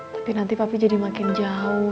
tapi nanti papi jadi makin jauh